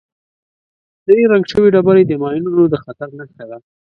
سرې رنګ شوې ډبرې د ماینونو د خطر نښه ده.